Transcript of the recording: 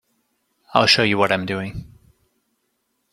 I'll show you what I'm doing.